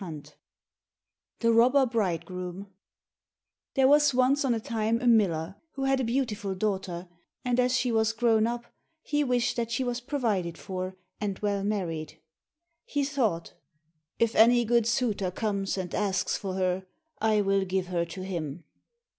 40 The Robber Bridegroom There was once on a time a miller, who had a beautiful daughter, and as she was grown up, he wished that she was provided for, and well married. He thought, "If any good suitor comes and asks for her, I will give her to him."